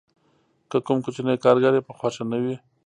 که کوم کوچنی کارګر یې په خوښه نه وي